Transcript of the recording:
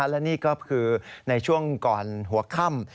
และนี่ก็คือในช่วงก่อนหัวค่ำ